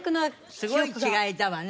すごい違いだわね